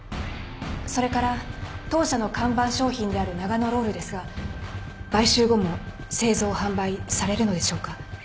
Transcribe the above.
それから当社の看板商品であるながのロールですが買収後も製造販売されるのでしょうか？